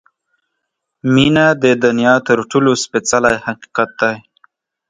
• مینه د دنیا تر ټولو سپېڅلی حقیقت دی.